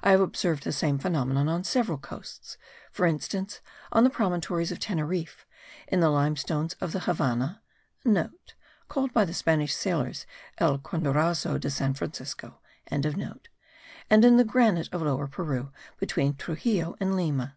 I have observed the same phenomenon on several coasts, for instance, on the promontories of Teneriffe, in the limestones of the Havannah,* (* Called by the Spanish sailors El Cordonazo de San Francisco.) and in the granite of Lower Peru between Truxillo and Lima.